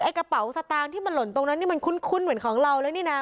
กระเป๋าสตางค์ที่มันหล่นตรงนั้นนี่มันคุ้นเหมือนของเราแล้วนี่นะ